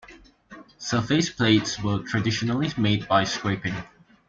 Surface plates were traditionally made by scraping.